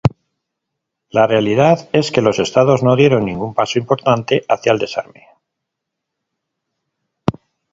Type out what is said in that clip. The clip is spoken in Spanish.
La realidad es que los estados no dieron ningún paso importante hacia el desarme.